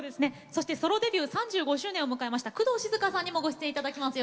そしてソロデビュー３５周年を迎えました工藤静香さんにもご出演頂きます。